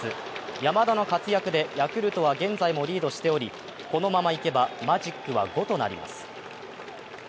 山田の活躍でヤクルトは現在もリードしており、このままいけばマジックは５となります。